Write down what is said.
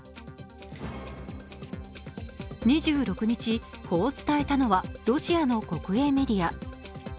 ２６日、こう伝えたのはロシアの国営メディア。